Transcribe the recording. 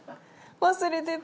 忘れてた。